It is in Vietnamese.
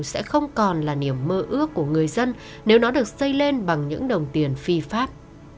sẽ không còn là niềm mơ ước của người dân nếu nó được xây lên bằng những đồng tiền phi pháp